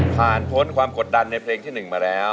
ผ่านพ้นความกดดันในเพลงที่๑มาแล้ว